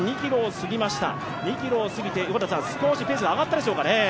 ２ｋｍを過ぎて、少しペースが上がったでしょうかね。